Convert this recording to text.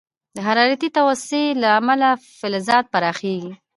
د حرارتي توسعې له امله فلزات پراخېږي.